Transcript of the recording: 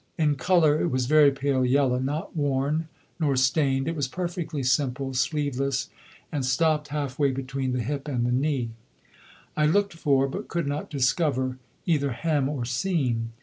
In colour it was very pale yellow, not worn nor stained. It was perfectly simple, sleeveless, and stopped half way between the hip and the knee. I looked for, but could not discover, either hem or seam.